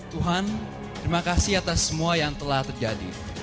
tuhan terima kasih atas semua yang telah terjadi